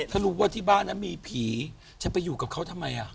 ถ้ารู้ว่าที่บ้านนั้นมีผีจะไปอยู่กับเขาทำไม